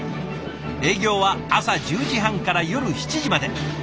営業は朝１０時半から夜７時まで。